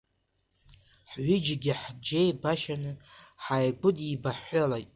Ҳҩыџьегьы ҳџьеибашьаны ҳааигәыдибаҳәҳәалеит.